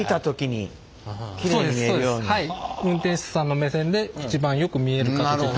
運転手さんの目線で一番よく見える形で縦長にかいてます。